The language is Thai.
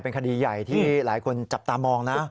เป็นคดีใหญ่ที่หลายคนจับตามองนะ